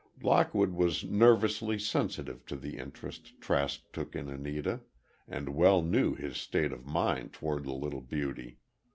Lockwood was nervously sensitive to the interest Trask took in Anita, and well knew his state of mind toward the little beauty.